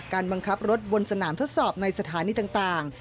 บังคับรถบนสนามทดสอบในสถานีต่าง